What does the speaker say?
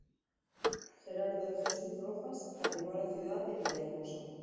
Gerardo de Jesús Rojas, arribó a la ciudad de Villahermosa.